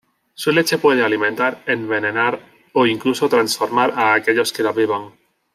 Su leche puede alimentar, envenenar o incluso transformar a aquellos que la beban.